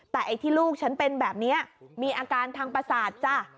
แต่ไอ้ที่ลูกฉันเป็นแบบนี้มีอาการทางประสาทจ้ะ